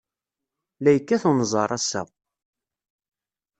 La yekkat unẓar, ass-a.